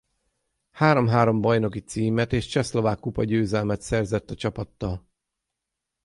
Három-három bajnoki címet és csehszlovák kupa győzelmet szerzett a csapattal.